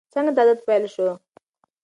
څنګه دا عادت پیل شو؟